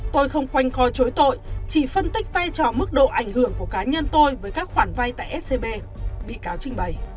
tôi không quanh co chối tội chỉ phân tích vai trò mức độ ảnh hưởng của cá nhân tôi với các khoản vay tại scb bị cáo trình bày